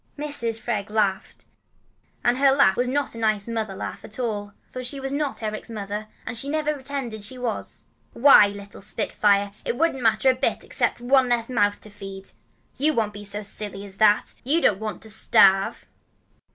Mrs. Freg laughed, and her laugh was not a nice mother laugh at all, for she was not Eric's mother, and had never pretended that she was. "Why, little spitfire, it wouldn't matter a bit except to make one less mouth to feed. But you won't be so silly as that. You don't want to starve."